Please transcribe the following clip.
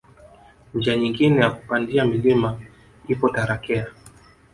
Njia nyingine ya kupandia mlima ipo Tarakea